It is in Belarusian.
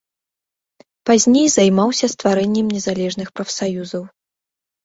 Пазней займаўся стварэннем незалежных прафсаюзаў.